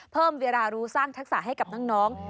เพิ่มเวลารู้สร้างทักษะให้กับน้อง